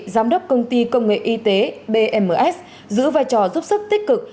giám đốc công ty công nghệ y tế bms giữ vai trò giúp sức tích cực